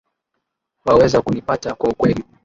Waweza kunipata kwa ukweli?